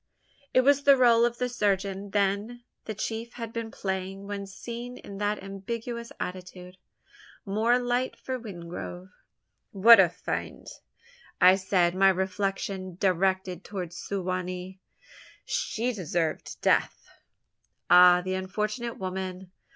It was the role of the surgeon, then, the chief had been playing when seen in that ambiguous attitude! More light for Wingrove! "What a fiend!" I said, my reflection directed towards Su wa nee. "She deserved death!" "Ah the unfortunate woman!